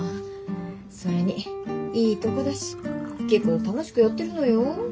それにいいとこだし結構楽しくやってるのよ。